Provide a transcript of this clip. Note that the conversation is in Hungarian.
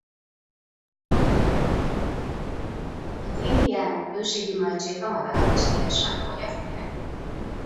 Az indiánok ősi gyümölcsét a madarak is szívesen fogyasztják.